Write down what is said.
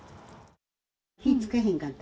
気付けへんかった。